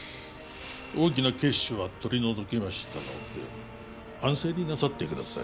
大きな血腫は取り除きましたので安静になさってください